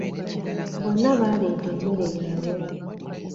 Bonna baaleta emmere yabwe.